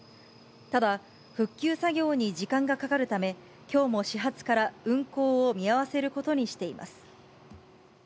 ただ、復旧作業に時間がかかるため、きょうも始発から運行を見合わせることにしています。